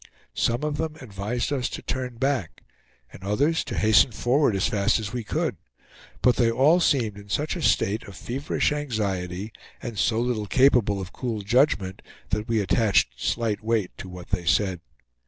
Some of them advised us to turn back, and others to hasten forward as fast as we could; but they all seemed in such a state of feverish anxiety, and so little capable of cool judgment, that we attached slight weight to what they said.